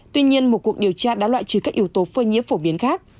tuy nhiên một cuộc điều tra đã loại trừ các yếu tố phơi nhiễm phổ biến khác